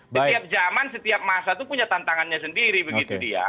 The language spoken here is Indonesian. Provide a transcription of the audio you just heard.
setiap zaman setiap masa itu punya tantangannya sendiri begitu dia